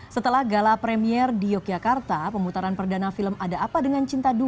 setelah gala premier di yogyakarta pemutaran perdana film ada apa dengan cinta dua